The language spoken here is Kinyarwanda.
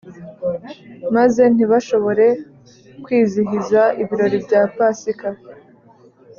maze ntibashobore kwizihiza ibirori bya pasika